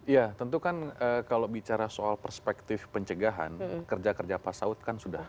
ya tentu kan kalau bicara soal perspektif pencegahan kerja kerja pasaut kan sudah hal